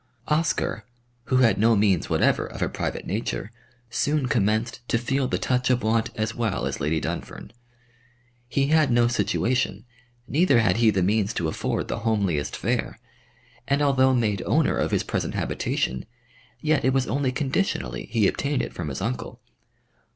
Oscar, who had no means whatever of a private nature, soon commenced to feel the touch of want as well as Lady Dunfern. He had no situation, neither had he the means to afford the homeliest fare, and although made owner of his present habitation, yet it was only conditionally he obtained it from his uncle.